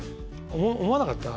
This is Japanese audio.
思わなかった？